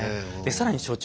更に所長